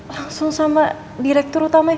langsung sama direktur utama